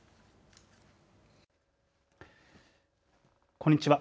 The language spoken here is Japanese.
こんにちは。